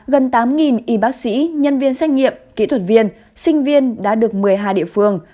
gần tám y bác sĩ nhân viên xét nghiệm kỹ thuật viên sinh viên đã được một mươi hai địa phương